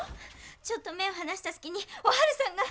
ちょっと目を離したすきにおはるさんが。